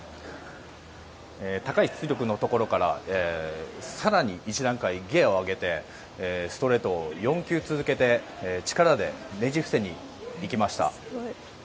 高い出力のところから更に一段階ギアを上げてストレートを４球続けて力でねじ伏せにいきました。